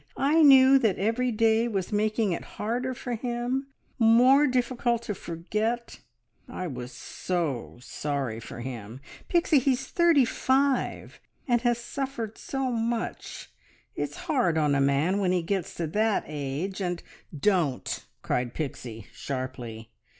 I knew that every day was making it harder for him, more difficult to forget. I was so sorry for him! Pixie, he is thirty five, and has suffered so much. It's hard on a man when he gets to that age, and " "Don't!" cried Pixie sharply.